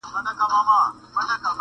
• چي لیدلی یې مُلا وو په اوبو کي -